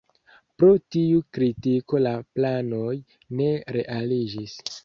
Pro tiu kritiko la planoj ne realiĝis.